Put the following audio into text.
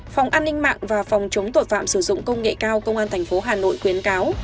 phòng an ninh mạng và phòng chống tội phạm sử dụng công nghệ cao công an tp hà nội khuyến cáo